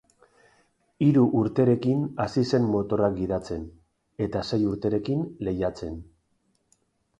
Hiru urterekin hasi zen motorrak gidatzen; eta sei urterekin, lehiatzen.